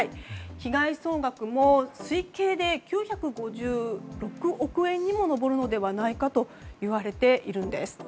被害総額も推計で９５６億円にも上るのではないかといわれているんです。